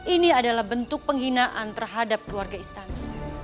ini adalah bentuk penghinaan terhadap keluarga istana